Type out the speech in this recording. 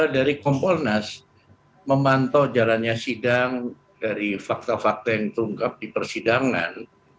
dari kompolnas memantau jalannya sidang dari fakta fakta yang terungkap di persidangan